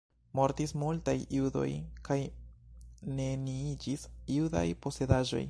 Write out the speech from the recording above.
Mortis multaj judoj kaj neniiĝis judaj posedaĵoj.